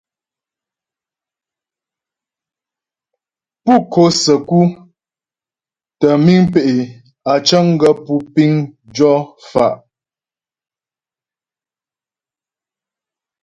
Pú ko'o səku tə́ miŋ pé' á cəŋ gaə́ pú piŋ jɔ fa'.